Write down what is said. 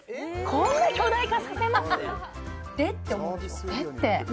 こんな巨大化させます？で？って思うんですよ